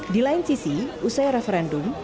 di lain sisi usai referendum